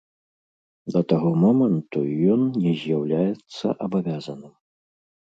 Да таго моманту ён не з'яўляецца абавязаным.